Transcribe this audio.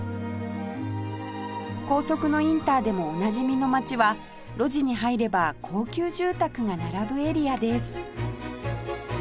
高速のインターでもおなじみの街は路地に入れば高級住宅が並ぶエリアです